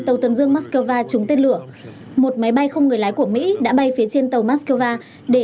tần dương moskva trúng tên lửa một máy bay không người lái của mỹ đã bay phía trên tàu moskva để